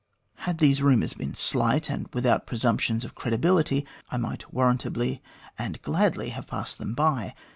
Had these rumours been 154 THE GLADSTONE COLONY slight, and without presumptions of credibility, I might warrant ably and gladly have passed them by.